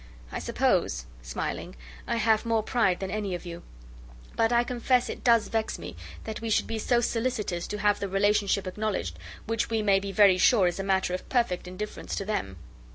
I suppose" (smiling) "I have more pride than any of you; but I confess it does vex me, that we should be so solicitous to have the relationship acknowledged, which we may be very sure is a matter of perfect indifference to them."